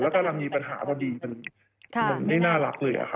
และกำลังมีปัญหาพอดีมันเป็นน่ารักเลย